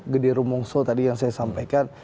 gede rumongso tadi yang saya sampaikan